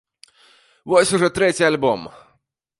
Вось ужо трэці альбом!